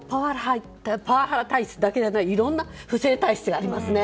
パワハラ体質だけじゃないいろんな不正体質がありますね。